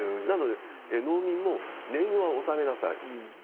なので農民も年貢は納めなさい。